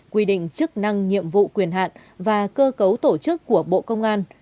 quy định chức năng nhiệm vụ quyền hạn và cơ cấu tổ chức của bộ công an